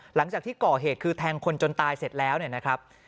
หลังจากที่ก่อเหตุคือแทงคนจนตายเสร็จแล้วเนี่ยนะครับ